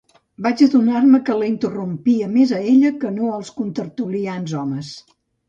Vaig adonar-me que la interrompia més a ella que no als contertulians homes.